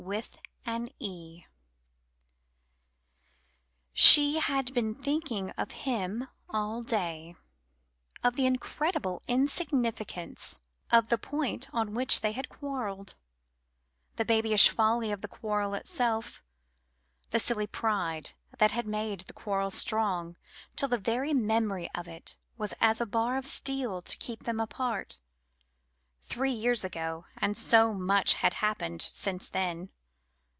WITH AN E SHE had been thinking of him all day of the incredible insignificance of the point on which they had quarrelled; the babyish folly of the quarrel itself, the silly pride that had made the quarrel strong till the very memory of it was as a bar of steel to keep them apart. Three years ago, and so much had happened since then.